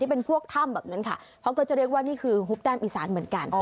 เป็นพวกถ้ำแบบนั้นค่ะเขาก็จะเรียกว่านี่คือฮุบแต้มอีสานเหมือนกัน